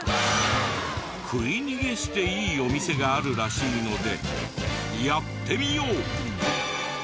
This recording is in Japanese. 喰い逃げしていいお店があるらしいのでやってみよう！